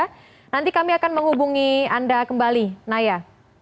nanti kami akan menghubungi anda kembali naya